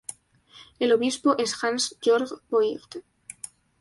El obispo es Hans-Jörg Voigt.